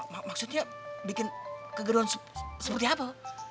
maksudnya bikin kegeruan seperti apa